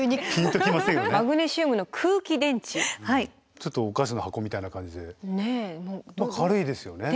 ちょっとお菓子の箱みたいな感じで軽いですよね。